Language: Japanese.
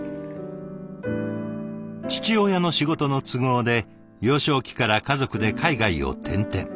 父親の仕事の都合で幼少期から家族で海外を転々。